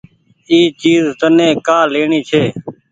اي چيز تني ڪآ ليڻي ڇي۔